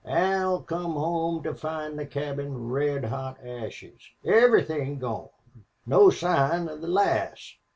Al come home to find the cabin red hot ashes. Everythin' gone. No sign of the lass.